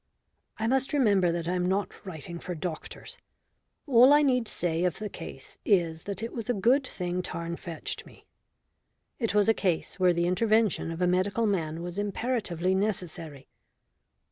I must remember that I am not writing for doctors. All I need say of the case is that it was a good thing Tarn fetched me. It was a case where the intervention of a medical man was imperatively necessary.